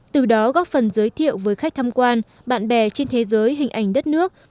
từ đó góp phần giới thiệu với khách tham quan bạn bè trên thế giới hình ảnh đất nước